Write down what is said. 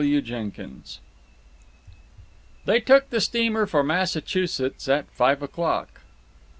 CHAPTER II They took the steamer for Massachusetts at five o'clock.